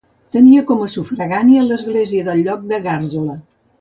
Tenia com a sufragània l'església del lloc de Gàrzola.